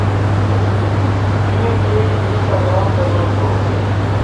تیو ایکے ییں تہ واتہ لاش با